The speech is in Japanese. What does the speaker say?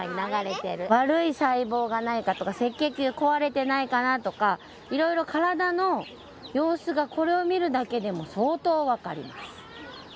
悪い細胞がないかとか赤血球壊れてないかなとか色々体の様子がこれを見るだけでも相当わかります。